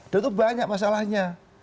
dan itu banyak masalahnya